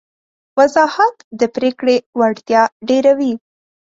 وضاحت د پرېکړې وړتیا ډېروي.